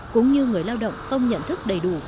cũng như người lao động không nhận thức đầy đủ